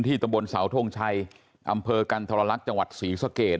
ที่ตะบนสาวท่วงชัยอำเพอร์กันธรรณลักษณ์จังหวัดศรีสเกด